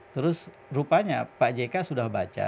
terus rupanya pak jk sudah baca